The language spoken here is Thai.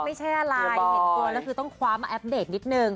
ไม่ใช่อะไรเห็นตัวแล้วคือต้องคว้ามาอัปเดตนิดนึง